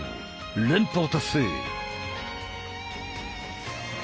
連覇を達成。